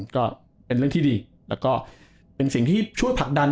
ก็เป็นเรื่องที่ดีแล้วก็เป็นสิ่งที่ช่วยผลักดัน